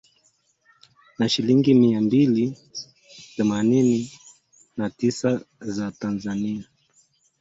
Na shilingi mia mbili themanini na tisa za Tanzania